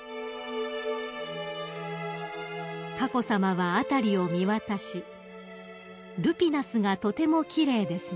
［佳子さまは辺りを見渡し「ルピナスがとても奇麗ですね」